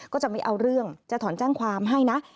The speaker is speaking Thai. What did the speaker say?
ก็จะไม่เอาเรื่องจะถอนแจ้งความให้นะ